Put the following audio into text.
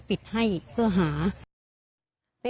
ป้าของน้องธันวาผู้ชมข่าวอ่อน